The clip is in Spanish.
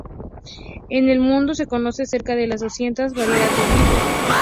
En el mundo se conocen cerca de doscientas variedades de olivo.